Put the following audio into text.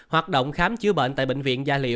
hoạt động khám chứa bệnh tại bệnh viện giả chiến